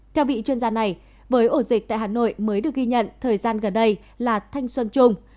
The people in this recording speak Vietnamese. theo vị chuyên gia này với ổ dịch tại hà nội mới được ghi nhận thời gian gần đây là thanh xuân trung